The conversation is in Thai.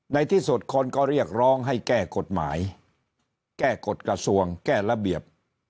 ในที่สุดคนก็เรียกร้องให้แก้กฎหมายแก้กฎกระทรวงแก้ระเบียบ